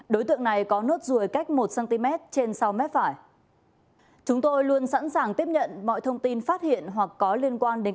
đối tượng này có nốt ruồi cách một cm trên sau mép phải